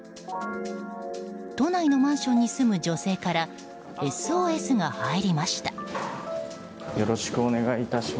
都内のマンションに住む女性からＳＯＳが入りました。